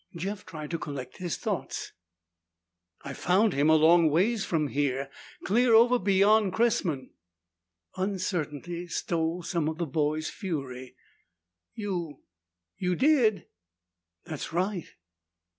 Jeff tried to collect his thoughts. "I found him a long ways from here. Clear over beyond Cressman." Uncertainty stole some of the boy's fury. "You you did?" "That's right."